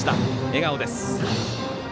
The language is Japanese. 笑顔です。